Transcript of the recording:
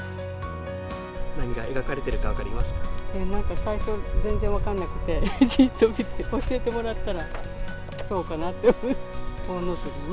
何が描かれてるか分かりますなんか最初、全然分かんなくて、じっと見て、教えてもらったら、そうかなって。